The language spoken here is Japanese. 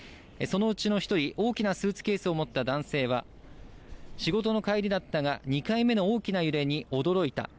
そのうちの１人、大きなスーツケースを持った男性は、仕事の帰りだったが、２回目の大きな揺れに驚いた。